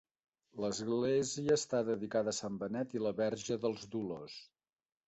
L'església està dedicada a Sant Benet i la Verge dels Dolors.